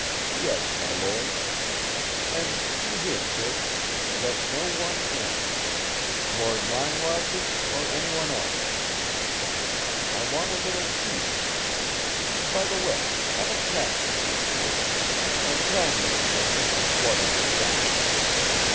"Yes, my Lord." "And see here, Church, let no one in. Lord Langwathby, or anyone else. I want a little peace. By the way, have a taxi sent for, and tell me when my sister's luggage is down."